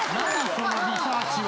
そのリサーチは。